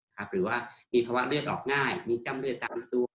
หรือว่ามีภาวะเลือดออกง่ายมีจ้ำเลือดตามตัว